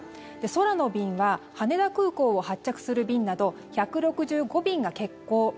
空の便は羽田空港を発着する便など１６５便が欠航。